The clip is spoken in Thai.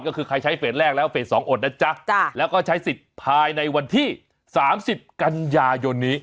ก็คือใครใช้เฟสแรกแล้วเฟส๒อดนะจ๊ะแล้วก็ใช้สิทธิ์ภายในวันที่๓๐กันยายนนี้